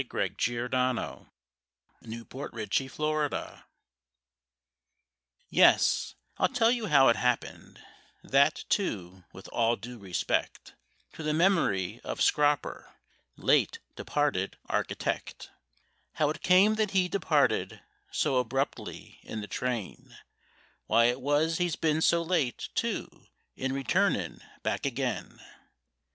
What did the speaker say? THE STORY OF MR. SCROPER, ARCHITECT Yes, I'll tell you how it happened—that, too, with all due respect To the memory of Scroper, late departed architect— How it came that he departed so abruptly in the train; Why it was he's been so late, too, in returnin' back again.